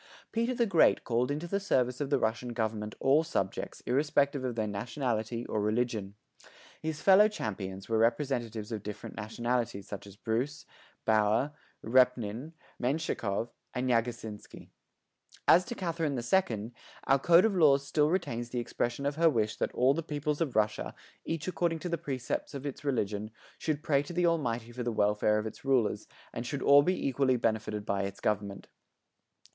Peter the Great called into the service of the Russian government all subjects irrespective of their nationality or religion. His fellow champions were representatives of different nationalities such as Bruce, Bauer, Repnin, Menshicov and Yaguzhinsky. As to Catherine the Second, our code of laws still retains the expression of her wish that all the peoples of Russia, each according to the precepts of its religion, should pray to the Almighty for the welfare of its rulers, and should all be equally benefited by its government.